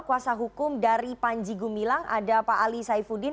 kuasa hukum dari panji gumilang ada pak ali saifuddin